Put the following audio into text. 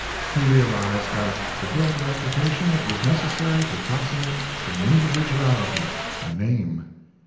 He realized that to build a reputation it was necessary to fasten it to an individuality, a name.